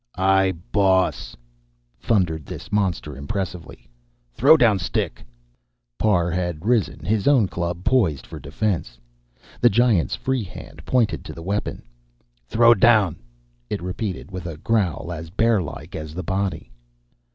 "I boss," thundered this monster impressively. "Throw down stick." Parr had risen, his own club poised for defense. The giant's free hand pointed to the weapon. "Throw down," it repeated, with a growl as bearlike as the body.